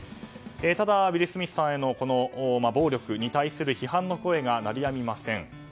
ただ、ウィル・スミスさんへの暴力に対する批判の声が鳴りやみません。